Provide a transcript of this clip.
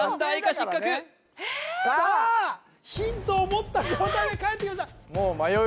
失格さあヒントを持った状態でかえってきました